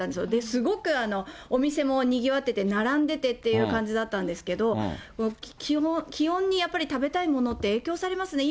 すごくお店もにぎわってて、並んでてという感じだったんですけど、気温にやっぱり食べたいものって影響されますね。